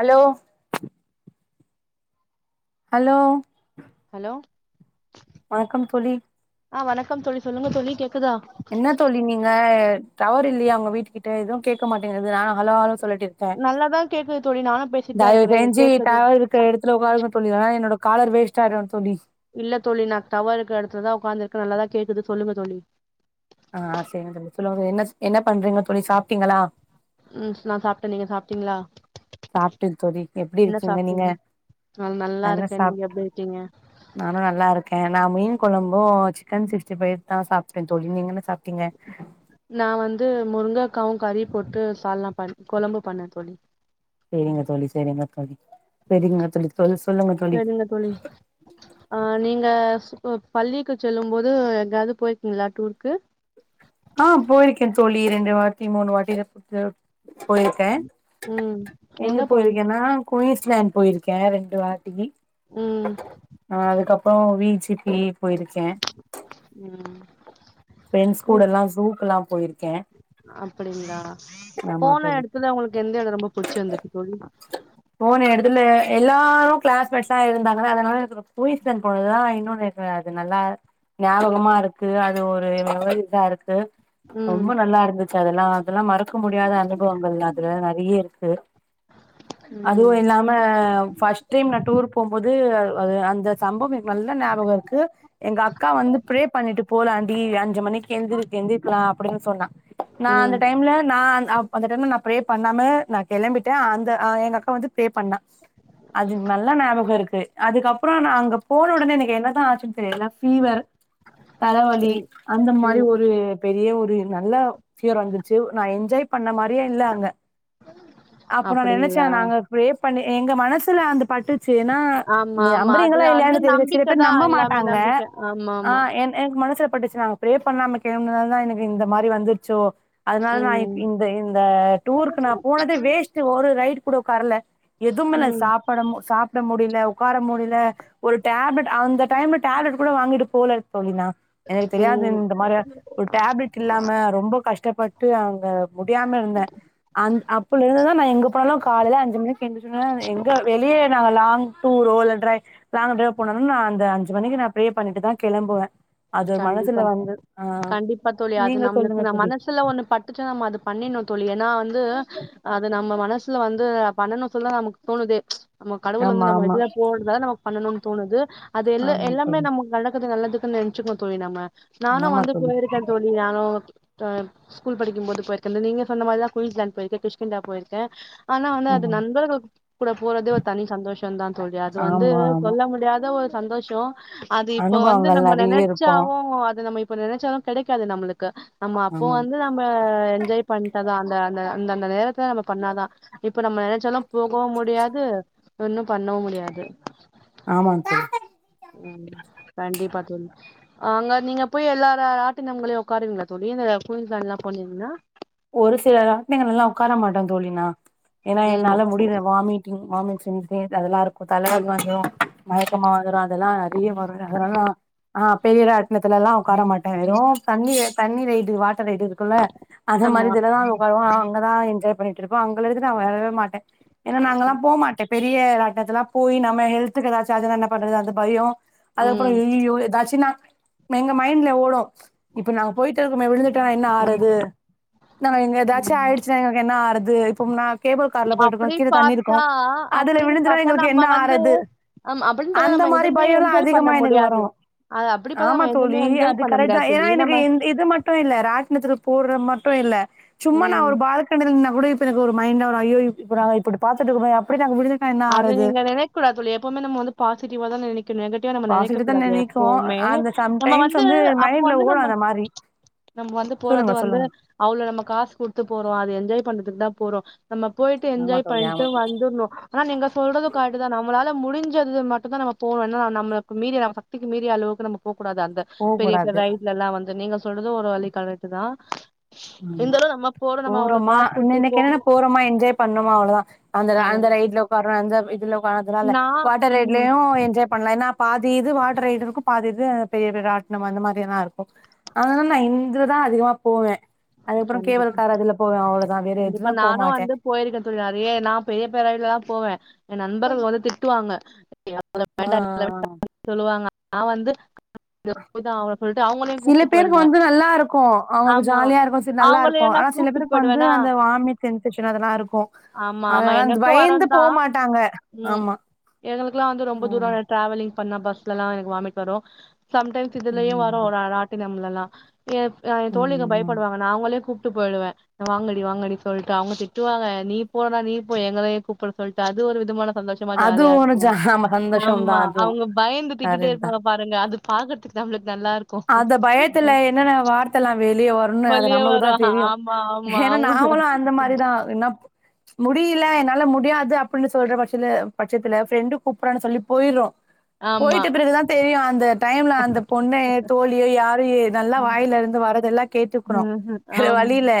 Hello hello hello வணக்கம் தோழி ஆ வணக்கம் தோழி சொல்லுங்க தோழி கேக்குதா என்ன தோழி நீங்க டவர் இல்லயா ஒங்க வீட்டுக்கிட்ட எது கேட்க மாட்டேங்குது நானு அலோ அலோ சொல்லிட்டு இருக்கே நல்லா தா கேக்குது தோழி நானு பேசிட்டு தா இருக்கறே எனுக் கேக்குது க எடத்துல ஒக்காருங்க தோழி இல்லனா என்னோட காலர் வேஸ்ட் ஆயிடு தோழி இல்ல தோழி நா டவர் இருக்க எடத்துலதா ஒக்காந்துர்க்கே நல்லாதா கேக்குது சொல்லுங்க தோழி ஆ செரிங்க தோழி சொல்லுங்க என்ன என்ன பண்றீங்கோ தோழி சாப்ட்டீங்களா ம் நா சாப்ட்டேன் நீங்க சாப்ட்டீங்ளா சாப்ட்டேன் தோழி எப்டி இருக்கீங்க நீங்க நா நல்லா இருக்கே நீங்க சாப்ட் எப்டி இருக்கீங்க நானு நல்லாருக்கேன் நா மீன் கொழம்பும் சிக்கன் சிக்ஸ்டி ஃபைவ் தான் சாப்ட்டேன் தோழி நீங்கன்ன சாப்ட்டீங்க நா வந்து முருங்கக்காவு கறியும் போட்டு சால்னா பண்ண கொழம்பு பண்ணே தோழி சேரிங்க தோழி சேரிங்க தோழி சேரிங்க தோழி சொ சொல்லுங்க தோழி இல்ல தோழி ஆ நீங்க பள்ளிக்கு செல்லு போது எங்காது போயிருக்கீங்ளா டூருக்கு ஆ போயிருக்கேன் தோழி ரெண்டு வாட்டி மூணு வாட்டி போயிருக்கேன் ம் எங்க போய் போயிருக்கேன்னா குயின்ஸ்லேண்ட் போயிருக்கே ரெண்டு வாட்டி ம் ஆ அதுக்கப்றோ வீ ஜி பி போயிருக்கேன் ம் ஃபிரண்ட்ஸ் கூட எல்லா சூக்கு எல்லா போயிருக்கேன் அப்டிங்ளா போன தோழி எடத்துல ஒங்ளுக்கு எந்த எடொ ரொம்ப புடிச்சிருந்துது தோழி போன எடுத்துல எல்லாரு கிளாஸ்மேட்ஸா இருந்தாங்க அதனால எனக்கு ரொம் பூயசன் போனதுதா இன்னொன்னு இருக்கு அது நல்லா ஞாபகமா இருக்கு அது ஒரு வ இதா இருக்கு ம் ரொம்ப நல்லா இருந்துச்சு அதெல்லா அதெல்லா மறக்க முடியாத அனுபவங்கள் அதுல நெறைய இருக்கு அதுவு ம் இல்லாம ஃபர்ஸ்ட் டைம் நா டூர் போம்போது அந்த சம்பவம் நல்ல ஞாபகம் இருக்கு எங்க அக்கா வந்து ப்ரே பண்ணிட்டு போலான் டி அஞ்சு மணிக்கு எழு எந்திரிக்கலா அப்டின்னு சொன்னா நா அந்த ம் டைம்ல நா அந்த டைம்ல நா ப்ரே பண்ணாம் நா கிளம்பிட்டடேன் அந்த நா எனக் வந்து ப்ரே பண்ணா அது நல்லா ஞாபகம் இருக்கு அதுக்கப்றொ நா அங்க போன உடனே எனக்கு ஆச்சுன்னனு தெரில்ல ஃபீவர் தலைவலி ம் மாறி ம் ஒரு பெரிய ஒரு நல்ல ஃபீவர் வந்துருச்சு நா என்ஜாய் பண்ண மாறியே இல்ல அங்க அப்ப நான் நெனைச்சே அப்டிங்களா நாங்க ப்ரே பண்ணி எங்க மனசுல அந்து பட்டுச்சு சேன்னா ஆமா நீ ஆமா அது நம்புறீங்ளா அது இல்லியான்னு தெரில சில பேர் நம்பிக்கதா நம்ப எல்லாமே மாட்டாங்க நம்பிக்க ஆமா ஆ ஆமா ஏ எனக்கு மனசுல பட்டுச்சு நாங்க ப்ரே பண்ணாம கெளம்புனதால தா எனக்கு இந்த மாறி வந்துருச்சோ அதனால நா இ ம் இந்த இந்த டூருக்கு நான போனதே வேஸ்ட்டு ஒரு ரைட் கூட தரல எதுமே இல்ல ம் சாப்ட சாப்ட முடில ஒக்கார முடில ஒரு டேப்லெட் அந்த டைம்ல டேப்லெட் கூட வாங்கிட்டு போல தோழி நா எனக்கு தெரியாது ம் இந்த மாறி ஒரு டேப்லெட் இல்லாம ரொம்ப கஷ்டப்பட்டு அங்க முடியாம இருந்தேன் அந் அப்போலருந்ததுதா நா எங்க போனாலு கால்ல அஞ்சு மணிக்கு எந்திரிச்சுடனே எங்க வெளியே நாங்க லாங் டூரோ இல்ல ட்ரை லாங் டிரைவ்வோ போனுனா நா அந்த அஞ்சு மணிக்கு. நா ப்ரே பண்ணிட்டுதா கெளம்புவேன் அது மனதுல கண்டிப்பா வந்து ஆ நீங்க சொல்லுங்க தோழி றுல ஒன்னு பட் பட்டுருச்சுனா அது பண்ணிட்னு தோழி ஏனா வந்து அது நம்ம மனசுல வந்து பண்ணணு சொல்லி நமக்கு தோணுது நம்ம கடவுள் வந்து ஆமா நம்ம ஆமா எதுதா தோன்றதால நமக்கு பண்ணணு தோணுது எ ஆமா எல்லாமே தோழி நம்ம நடக்குது நல்லதுக்கு நெச்சக்குவோம் தோழி நம்ம நானு ஆமா வந்து தோழி போயிருக்கே தோழி நானூ ஆ ஸ்கூல் படிக்குபோது போயிருக்கேன் நீங்க சொன்ன மாறிதா குயின்ஸ் லாண்ட் போயிருக்கேன் கிஷ்கிந்தா போயிருக்கேன் ஆனா வந்து அது நண்பர்களுக் கூட போறது ஒரு தனி சந்தோஷ தா தோழி அது வந்து ஆமா ஆமா சொல்ல முடியாத ஒரு சந்தோஷம் அது இப்ப வந்து அனுபவங்கள் நம்ம நெறைய நெனைச் இருக்கு ச்சாலு அது நம்ம இப்ப நினைச்சாலு கிடைக்காது நம்மளுக்கு நம்ம அப்போ ஆமா வந்து நம்ப இப்ப என்ஜாய் பண்ட்டாதா அந்த அந்த அந்தந்த நேரத்துல நம்ப பண்ணாதா இப்ப நம்ப நெனைச்சாலு போகவு முடியாது ஒன்னு பண்ணவு முடியாது ஆமா சார் ம் கண்டிப்பா தோழி அங்க நீங்க போய் எல்லா ராட்டினங்களையு ஒக்காருவிங்ளா தோழி இந்த குயின்ஸ்லாண்லா போனீங்னா ஒரு சில ராட்டினங்கல்லா ஒக்கார மாட்டே தோழி நா ஏன்னா ம் என்னால முடில வாமிட் டிங் வாமிட் சென்சிங் அதெல்லா இருக்கு தலவலி ரு மயக்கமா வந்துரு அதெல்லா நெறைய வரு அதெல்லா நா ஆ பெரிய ராட்டினத்லலா ஒக்கார மாட் டே வெறு தண்ணி தண்ணி ரைடு வாட்டர் ரைடு இருக்குல்ல அந்த மாரி ஆமா இதுலதா ஒக்காருவோ அங்கதா என்ஜாய் பண்ணிட்ருப்போ அங்கலந்து நா வரவே மாட்டே ஏன்னா நா அங்கல்லா போ மாட்டே பெரிய ராட்னத்துலா போய் நம்ம ஹெல்த்துக்கு ஏதாச்சு ஆச்சுனா என்ன பண்றது அந்த பயோ அதுக்கப்புற ம் ஐயியோ ஏதாச்சுனா எங்க மைண்ட்ல ஓடு இப்ப நாங்க போய்ட்டு இருக்கோமே விழுந்துட் டா என்னா ஆறது நாங்க ஏதாச்சு ஆயிடுச்சுனா என்ன ஆறது இப்போ நா கேபிள் கார்ல போயிட்டு இருக்கோ அப்டி கீழ இருக்கு பாத்தா அதுல அப்டின்னு விழுந்துரா பாத்தா எங்ளுக்கு என்ன நம்ம வந்து ஆறது ஆமா அப்டின்னு பாத்தா அந்த நம்ம மாரி எதுமே பய எல்லா என்ஜாய் பண்ண அதிகமா எனக்கு வரு முடியாது அது அப்டி பாத்தா ஆமா நம்ம எதுமே தோழி என்ஜாய் அது பண்ண கரெட்தா முடியாது ஏனா தோழி எனக்கு நம்ம இந் இது மட் டு இல்ல ராட்டினத்துல போட்ற மட்டு இல்ல சும்மா நா ம் ஒரு பால்க்கனில நின்னா கூட எனக்கு ஒரு மைண்ட வரு ஜய்யோ இப்ப நம்ம இப்டி பாத்துட்டு இருக்கோமே அப்டிதா விழு அது நீங்க நெனைக்கூடாது தோழி எப்போமே நம்ம வந்து பாசிட்டாவாதா நெனைக்கனு நெகட் டிவா நம்ம வந்து நெனைக்க பாசிட்டிவ் தான் கூடாது நினைக்கும் எப்போமே அந்த நம்ம சம்டைம்ஸ் வந்து அப்போ மைண்ட்ல வந்து ஓடும் நம்ம அந்த மாரி நம்ம வந்து போறது சொல்லுங்க வந்து சொல்லுங்க அவ்ளோ நம்ம காசு குடுத்து போறோ அது என்ஜாய் பண்றதுக்குதா போறோ நம்ம போயிட்டு ஆமா என்ஜாய் தோழி பண்ட்டு ஆமா தோழி வந்துர்னு ஆனா நீங்க சொல்றது கரட்டுதா நம்மளால முடிஞ்சது மட்டுதா நம்ம போணு இல்லனா நம்ளுக்கு மீறி நம த்திக்கு மீறி அளவுக்கு நம்ம போக்கூடாது அந்த போகக் பெரிய பெரிய கூடாது ரைட்லல்லா வந்து நீங்க சொல்றது ஒரு வழி கரட்டுதா ஆமா இந்த அளவு நம்ம போறோ நம்ம அவ்ளோ காசு குடுத்து போறோ போறமா என்ஜாய் பண்ணமா அவ்ளதா அந்த அந்த அவ்வளவு- ரைட்ல ஒக்கார்வே அந்த இதுல அதுனால நான் வாட்டர் உம் ரைட்லயு என்ஜாய் பண்ணலா ஏன்னா பாதி இது வாடர் ரைடு இருக்கு பாதி இது பெரிய பெரிய ராட்டன அந்த மாரி எல்லா இருக்கு அதனாலா இந்துலதா அதிகமா போவே அதுக்கப்புற கண்டிப்பா கேவல்காரதுல போவே அவ்ளதா வேற கண்டிப்பா எதுவு போ நானு மாட்டே வந்து போயிருக்கே தோழி நெறைய நா பெரிய பேர் ரைட்லா போவே என் நண்பர்கள் வந்து திட்டுவாங்க [unintelligible] சொல்லுவாங்க நா வந்து இதா அவன சொல்ட்டு அவங்களையு சில கூப்ட்டு பேருக்கு போயிடுவே வந்து நல்லா இருக்கு அவங்களுக்கு ஆமா ஜாலியா இருக்கு சி நல்லா இருக்கு அவங்களையு நா ஆனா சில கூப்ட்டு பேருக்கு வந்து போயிடுவேனா அந்த வாமிட் சென்ஷேசன் அதுலா இருக்கு ஆமா ஆமா அதனால அந்த எனக்கு பயந்து போ மாட்டாங்க ஆமா எங்ளுக்லா வந்து ரொம்ப தூர ம் ட்ராவலிங் பண்ணா பஸ்லலா எனக்கு வாமிட் வரு சம்டைம்ஸ் இதுலயு வரு ம் ஒரு ராட்டினம்லலா ஏ எ தோழிக ம் ம் பயப்படுவாங்க நா அவங்களையு கூப்ட்டு போயிடுவே வாங்கடி வாங்கடி சொல்லிட்டு அவங்க திட்டுவாங்க நீ போறனா நீ போ எங்கள ஏ கூப்பிட்ற சொல்லிட்டு அது ஒரு விதமான சந்தோஷ மா ஜாலியா அதுவும் ஒரு இருக்கு ஜ ஆமா சந்தோஷம் ஆமா தான் அதுவும் அவங்க பயந்து திட்டிட்டே கரெக்ட் தான் இருப்பா பாருங்க அது பாக்கறதுக்கு நம்ளுக்கு நல்லார்க்கு அந்த பயத்துல என்னன்ன வார்த் தலா வெளியே வருனு அது வலியா நம்ளுக்குதா வரு தெரியு ஆமா ஆமா ஏன்னா அவங்க நாங்களு அந்த மாரிதா என்ன முடில என்னால முடியாது அப்டின்னு சொல்ற பட்சத்து பட்சத்துல ஃப்ரெண்டு கூப்பிடறான்னு சொல்லி போய்றோ ஆமா போயிட்டு பிறகுதா தெரியு அந்த டைம்ல அந்த பொண்ணு போலேயோ யாரு ஏ நல்லா வாயில இருந்து வரத எல்லா கேட்ருக்கனு ம் வேற வழியில ஆமா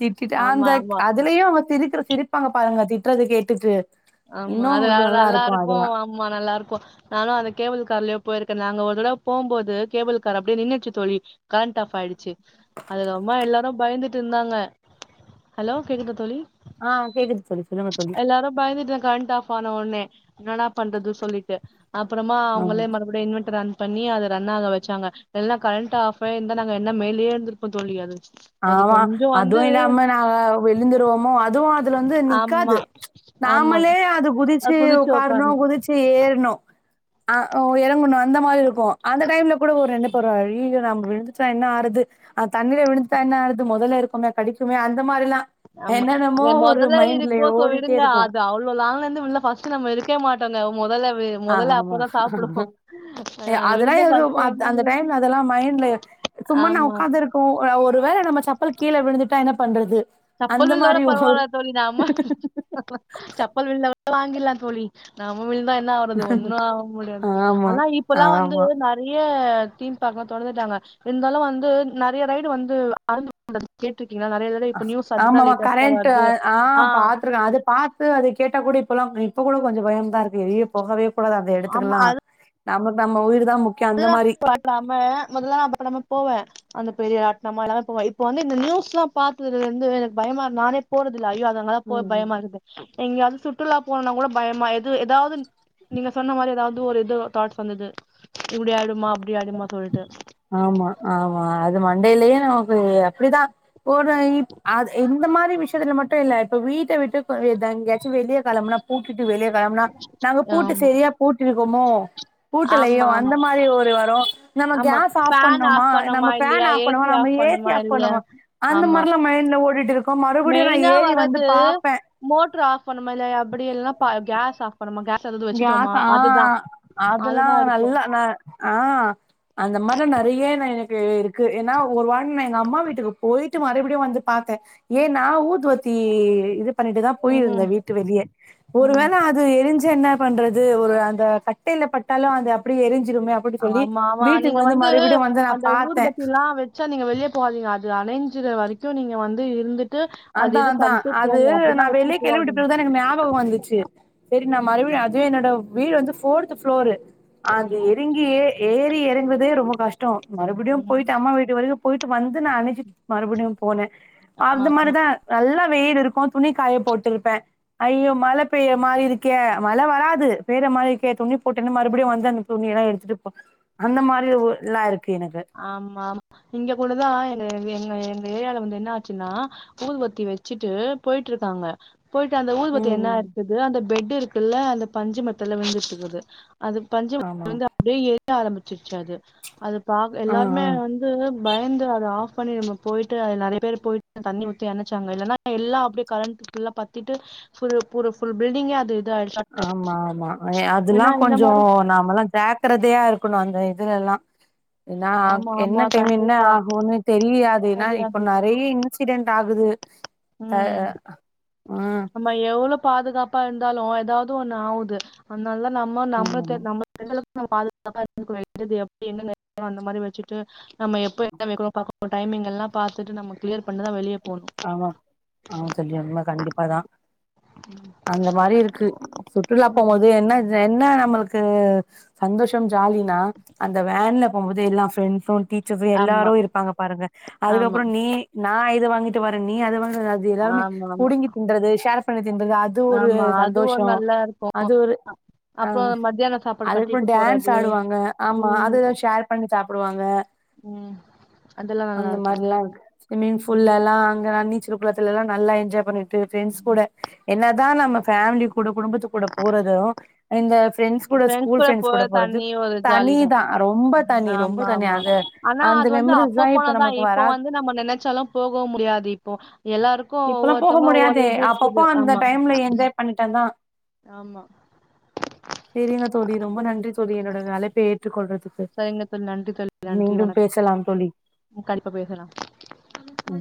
திட்டிட்டு அந்த ஆமா அதுலயே இதுக்கே அவ சிரிக்குற சிரிப்பாங்க பாருங்க திட்டுறது கேட்டுட்டு இன்னு அவுங்களுக்கு நல்லா இருக்கு அத எல்லா சும்மா நல்லா இருக்கு ஆனா அந்த கேபிள் கார்லையு போயிருக்கே நாங்க ஒரு தட போம்போது கேபிள் கார்ரு அப்டியே நின்னுச்சு தோழி கரண்ட் ஆப் ஆயிடுச்சு அது ரொம்பே எல்லாரு பயந்துட்டு இருந்தாங்க ஹலோ கேக்குதா தோழி ஆ கேக்குது தோழி சொல்லுங்க தோழி பயந்துட்டே கரண்ட் ஆப் ஆனா உடனே என்னா டா பண்றது சொல்லிட்டு அப்புறமா ஆமா அவுங்களே மறுபடியு இன்வென்ட்ரா ஆன் பண்ணி அத ரன் ஆக வச்சாங்க இல்லா கரண்ட் ஆஃப் ஆயி இருந்தா நாங்க என்ன மேலேயே இருந்திருப்போ தோழி அது அது ஆமா கொஞ்சம் வந்து அதுவு இல்லாம நாங்க விழுந்துருவோமோ அதுவு அது வந்து ஆமா நிக்காது ஆமா நாமளே அது குதுச்சு குதிச்சு உக்காறனு உக்காரணும். குதுச்சு ட்டு ஏறணு ஆ இறங்கணு அந்த மாறி இருக்கு அந்த டைம்ல கூட ஒரு ரெண்டு அப்றே வேற வழி இல்ல நம்ம விழுந்துட்டா என்ன ஆறது தண்ணில விழுந் இப்ப என்ன ஆவுது முதல்ல இருக்குமே கெடைக்குமே அந்த மாறில்லா ஆமா முதல்ல இருக்கோ சோ ஓடிட்டே விடுங்க இருக்கு அது அவ்வளோ லான்ல இருந்து உள்ள ஃப ஃபர்ஸ்ட் டு நம்ப இருக்காவே மாட்டோங்க முதல்ல விழு ஆ ஆமா அ அது அத எல்லா விழுந்தா ஃபர்ஸ்ட் என்ன அந்த வி- டைம்ல அத எல்லா மைண்ட்ல சும்மா நா ஆமா உட்காந்து இருக்கு ஆ ஒரு வேல நம்ம சப்பல் கீழ விழுந்துட்டா என்ன பண்றது சப்பல் அந்த வீழுந்த கூட மாரி ஒரு பரவாயில்ல தோழி நம்ப சப்பல் விலுந்தா கூட வாங்கிலா தோழி நம்ம வீழுந்துதா என்ன ஆறது ஒன்னு ஆக முடியாது ஆமா ஆனா இப்ப எல்லா வந்து ஆமா நெறை நெறைய தீம் பார்க்கு எல்லா தொரந்துட்டாங்க இருந்தாலு வந்து நெறைய ரைடு வந்து ஆந் து து கேட்டிருக்கீங்களா நெறைய தடவா ஆ ஆம்ஆமா கரண்ட் ஆ பாத்துருக்கே அது பா த்து அத கேட்டா கூட இப்ப எல்லா இப்ப கூட கொஞ்சே பய தா இருக்கு எப்ப போகவே கூடாது அந்த இடத்துக்கு ஆமா எல்லா நம்மாக் நம்ம உயிர தா மு முதல்ல பயப்படாம முதல்லா நா பயப்படாம போவே அந்த பெரிய ராட்டனமா எல்லாமே போவே இப்ப வந்து இந்த நியூஸ் எல்லா பாத்ததுல இருந்து எனக்கு பயமா இரு நானே போறதுல்ல ஐயோ அத அங்க எல்ல போற ம் ம். பயமா இருக்குது எங்கயாவது சுற்றுலா போனனா கூட பயமா எது ஏதாவது நீங்க சொன்ன மாறி ஏதாவது ஒரு இது தாட்ஸ் வந்தது இப்டி ஆயிடுமா அப்டி ஆயிடுமா சொல்லிட்டு ஆமா ஆமா அது மண்டையிலயே நமக்கு அப்டிதா ஒரு இ அது இந் இந்த மாறி விஷயத்துல மட்டு இல்ல இப்போ வீட்ட விட்டு இதாங்க எங்கயாச்சு வெளிய கிளம்புனா பூட்டுட்டு வெளிய கிளம்புனா நாங்க பூட்டு ஆமா சரியா பூட்டி இருக்கோமோ பூட்டலையே ஆமா ஆமா அந்த மாறி ஒரு நம்ப ஆமா கேஸ் ஆஃப் ஃபேன் பண்ணோமா ஆஃப் நம்ம பண்ணமா பேன் இல்லையா ஆஃப் ஏ பண்ணோ மா சி நம்ம ஏசி ஆஃப் இல்லையா பண்ணமா அந்த ஆமா மாறிலா மைண்ட்ல ஓடிட்டு இருக்கு மறுபடியு நா ஏறி வந்து பாப்பே மோட்டர் ஆஃப் பண்ணுமா இல்ல அப்டி இல்ன்னா பா கேஸ் ஆப் பண்ணமா கேஸ் எதாவது வச்சுட்டோமா கேஸ்சா அதுதா அதுல்லா அதுதா இருக்கு இல்ல நா ஆ அந்த மாறி நெறைய எனக்கு இருக்கு ஏன்னா ஒரு வார நா எங்க அம்மா வீட்டுக்கு போயி ட்டு மறுபடியு வந்து பாத்தே ஏனா ஊதுவத்தி இது பண்ணிட்டு தா போயிருந்தே ம் வீட்டு வெளிய ஒரு ம் வேல அது எரிஞ்ச என்ன பண்றது ஒரு அந்த கட்டில பட்டாலு அது அப்டியே எரிஞ்சிருமே அப் புடி சொல்லி ஆமா ஆமா வீட்டுக்கு நீங்க வந்து மறுபடியு வந்து நா பாத்தே சார் நீங்க வெளியே போகாதீங்க அது அணஞ்சுற வரைக்கு நீங்க வந்து இருந்துட் அதா அதா அது நா வச்சுட்டு வெளிக் கிழுவிட்டு போகாதீங்க. பகுதா எனக் ஞாபக வந்துச்சு செரி நா மறுபடிய அதுவே என்னோட வீடு வந்து ஃபோர்து ஃபுளோரு அங்க ம். எறங் கி ஏறி இறங்கறதே ரொம்ப கஷ்டோ மறுபடியு ம். போயிட்டு அம்மா வீட் டு வரைக்கு போயிட்டு வந்து நா அணசிட் மறுபடியு போனே அது மாரி தா நல்லா வெயில் இருக்கு துணிக்காய போட்டுருப்பே ஐயோ மழ பெய மாரி இருக்கே மழ வராது பெய்ற மாரி இருக்கே துண்ணி போட்டேன்னு மறுபடியு வந்த துணிய எல்லா எடுத்துட்டுப்போ அந்த மாரி ஓ எல்லா இருக்கு எனக்கு ஆமா ஆமா இங்க கூடதா எங்க எங்க எங்க ஏரியால வந்து என்ன ஆச்சுன்னா ஊதுபத்தி வெச்சுட்டு போயிட்டு இருக்காங்க போயிட்டு அந்த ஊதுபத்தி ம் என்ன ம் ஆயிருக்குது அந்த பெட்டு் இருக்குல்ல அந்த பஞ்சு மெத்தல்ல விழுந்து இருக்குது அது பஞ்சு மெத்த ஆமா வந்து அப்டியே எரிய ஆரம்பிச்சிருச்சு அது அது பாக்க ஆ எல்லாருமே ஆ வந்து பயந்து அத ஆஃப் பண்ணி நம்ம போயிட்டு அது நெறைய பேர் போயிட்டு தண்ணி ஊத்தி அணச்சாங்க இல்லன்னா எல்லா அப்டியே கரண்ட்ல்ல பத்திட்டு ஃபுல் பில்டிங்கே அது இது ஆய்டு ஆமா ஆமா அதெல்லா கொஞ்சோ மாரி நாமல்லா ஜா க்கிறதயா இருக்கணு அந்த இதுல எல்லா ஏன்னா ஆமா என்ன ஆமா டைம் என்ன கண்டிப்பா ஆகுன்னு தெரியாது ஏன்னா இப்ப தெரியாது நறைய் இன்சிடென்ட் ஆகுது த ம் ம் நம்ம எவ்வளோ பாதுகாப்பா இருந்தாலு எதாவது ஒண்ணு ஆவுது அன்னால நம்ப ஆமா நம்பது ஆமா நம்ப [inaudible] அந்த மாரி வச்சுட்டு நம்ப எப்ப எக்கோ மைக்ரோ பாக்குறோ டைமிங் எல்லா பாத்துட்டு நம்ப கிளியர் பண்ணதா வெளியே ஆமா ஆமா தோழி உண்ம கண்டிப்பாதா அந்த மாரி இருக்கு சுற்றுலா ம் போம்போது என்ன இது என்ன நம்மளுக்கு சந்தோஷம் ஜாலினா அந்த வேன்ல போம்போது எல்லா ரெண்ட்ஸும் டீச்சஸ்சு ஆமா எல்லாரு இருப்பாங்க பாருங்க ஆமா. அதுக்கப்பறம் நீ நா இத வாங்கிட்டு வரே நீ அத [unintelligible] இது எல்லாாமே ஆமா, ஆமா. புடுங்கி தின்றது ஷேர் பண்ணி தின்றது அ அது ஒரு ஆமா. சந்தோஷோ அதுவும் நல்லா இரு அது ஒரு ஆ அப்புறம் மத்தியான சாப்பாடு அதுக்கப்பறோ கட்டிட்டு டேன்ஸ் போறது. ஆடுவாங்க ஆமா ம், அதுதா ஷேர் பண்ணி சாப்டுவாங்க ம். அதெல்லாம் அந்த நல்லாருக்கும். மாரில்லா இருக்கு மீன் ம். ஃபுள்ளால்லா அங்க நா நீச்சல் குளத்தல்லா நல்லா என்ஜாய் பண்ணிட்டு ஃபிரண்ட்ஸ் கூட என்னதா நம்ம ஃபேமிலி கூட குடும்பத் துக் கூட போறது இந்த ஃப்ரெண்ட்ஸ் கூட ஸ்கூல் ஃப்ரெண்ட்ஸ் கூட போறது தனி ஒரு ஜாலி தனி தான். தா ரொம்ப ம். தனி ரொம்ப ஆமா, தனி ஆமா. அது ஆனா அந்த அது வந்து அப்ப மெமரிஸ்லா போனா இப்ப தா நமக்கு இப்போ வராது வந்து நம்ம நெனச்சாலா போக முடியாது இப்போ எல்லாருக் கு இப்பல்லா போக ஒவ்வொருத்தவங்க ஒவ்வொரு முடியாதே இது அப்பப்போ இருக்குது அந்த ஆமா டைம்ல என்ஜாய் பண்ணிட்டதா ஆமா செரிங்க தோழி ரொம்ப நன்றி தோழி என்னோட அழைப்ப ஏற்றுக்கொள்றதுக் செரிங்க தோழி நன்றி தோழி நன்றி வணக்கம் பேசலாம் தோழி ம் கண்டிப்பா பேசலா ம்